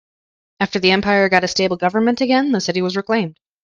After the empire got a stable government again, the city was reclaimed.